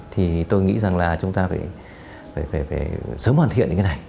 thì tôi nghĩ rằng là chúng ta phải sớm hoàn thiện những cái này